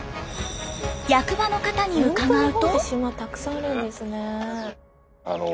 役場の方に伺うと。